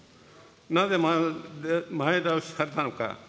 なぜ前倒しされたのか。